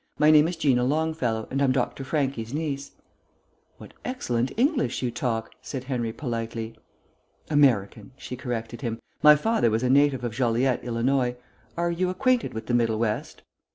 "My name is Gina Longfellow, and I'm Dr. Franchi's niece." "What excellent English you talk," said Henry politely. "American," she corrected him. "My father was a native of Joliet, Ill. Are you acquainted with the Middle West?"